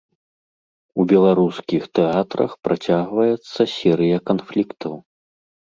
У беларускіх тэатрах працягваецца серыя канфліктаў.